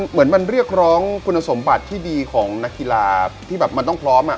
เหมือนมันเรียกร้องคุณสมบัติที่ดีของนักกีฬาที่แบบมันต้องพร้อม